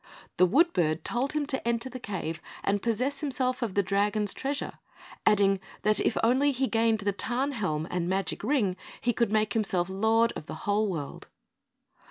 The wood bird told him to enter the cave, and possess himself of the dragon's treasure, adding that if only he gained the Tarnhelm and magic Ring, he could make himself lord of the whole world.